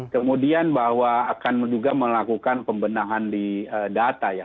kemudian bahwa akan juga melakukan pembenahan di data ya